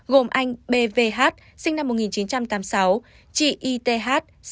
gồm anh b v h chị y t h